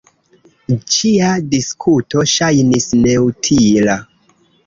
Ĉia diskuto ŝajnis neutila.